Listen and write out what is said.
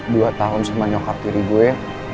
dua tahun sama nyokap tiri gue